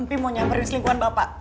empi mau nyamperin selingkuhan bapak